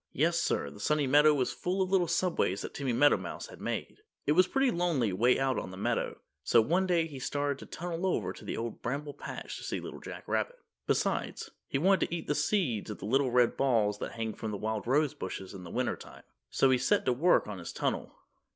Yes, sir. The Sunny Meadow was full of little subways that Timmy Meadowmouse had made. It was pretty lonely 'way out on the meadow, so one day he started to tunnel over to the Old Bramble Patch to see Little Jack Rabbit. Besides, he wanted to eat the seeds in the little red balls that hang from the wild rose bushes in the winter time. So he set to work on his tunnel.